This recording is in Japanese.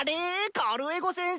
カルエゴ先生？